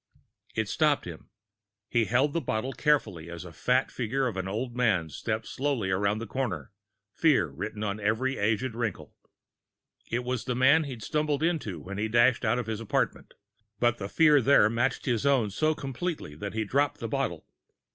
It stopped him. He held the bottle carefully, as the fat figure of an old man stepped softly around the corner, fear written on every aged wrinkle. It was the man he'd stumbled into when he dashed out of his apartment. But the fear there matched his own so completely that he dropped the bottle.